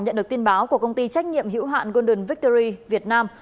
nhận được tin báo của công ty trách nhiệm hữu hạn golden victory việt nam